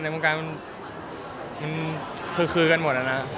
คนพูดยากครับดังนี้ออกว่าของเราก็คือกันหมดแล้วนะ